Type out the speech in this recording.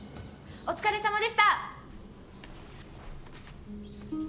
お疲れさまでした！